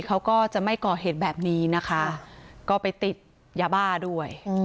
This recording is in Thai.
เขาก็จะไม่ก่อเหตุแบบนี้นะคะก็ไปติดยาบ้าด้วย